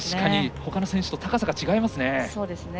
ほかの選手と高さが違いますね。